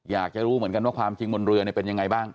อยากจะรู้เหมือนกันว่าความจริงบนเรือเป็นยังไงบ้าง